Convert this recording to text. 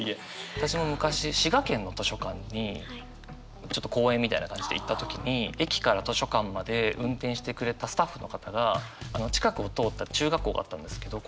私も昔滋賀県の図書館にちょっと講演みたいな感じで行った時に駅から図書館まで運転してくれたスタッフの方が近くを通った中学校があったんですけど